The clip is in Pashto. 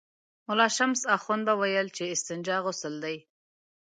ملا شمس اخند به ویل چې استنجا غسل دی.